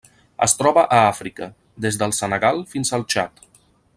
Es troba a Àfrica: des del Senegal fins al Txad.